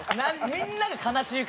みんなが悲しい顔を。